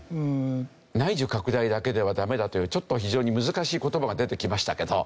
内需拡大だけではダメだというちょっと非常に難しい言葉が出てきましたけど。